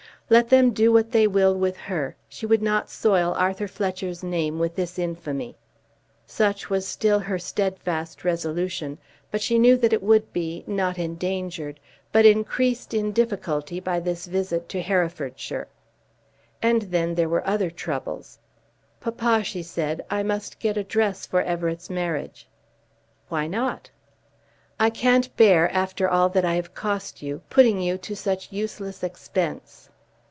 Let them do what they will with her, she would not soil Arthur Fletcher's name with this infamy. Such was still her steadfast resolution; but she knew that it would be, not endangered, but increased in difficulty by this visit to Herefordshire. And then there were other troubles. "Papa," she said, "I must get a dress for Everett's marriage." "Why not?" "I can't bear, after all that I have cost you, putting you to such useless expense."